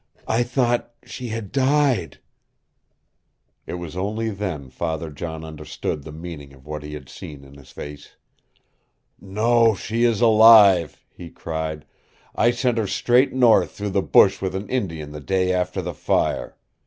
"I thought she had died!" It was only then Father John understood the meaning of what he had seen in his face. "No, she is alive," he cried. "I sent her straight north through the bush with an Indian the day after the fire.